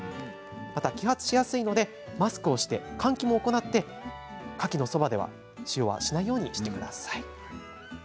また揮発しやすいのでマスクをして換気を行って火気のそばでは使用しないようにしてください。